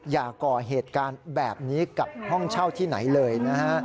อย่าก่อเหตุการณ์แบบนี้กับห้องเช่าที่ไหนเลยนะฮะ